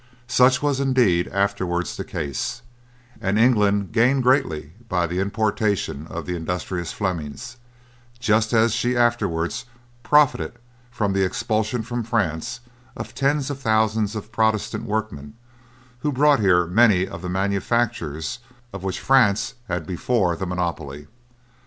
Such was indeed afterwards the case, and England gained greatly by the importation of the industrious Flemings, just as she afterwards profited from the expulsion from France of tens of thousands of Protestant workmen who brought here many of the manufactures of which France had before the monopoly.